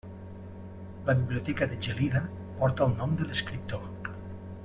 La biblioteca de Gelida porta el nom de l'escriptor.